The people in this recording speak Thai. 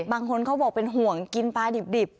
บางคนเขาบอกเป็นห่วงกินปลาดิบ